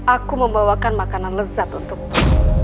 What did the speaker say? aku membawakan makanan lezat untukmu